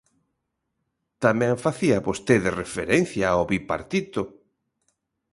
Tamén facía vostede referencia ao Bipartito.